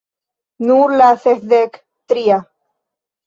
Nur la sesdek tria...